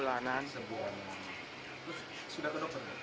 dibalik ke dokter sudah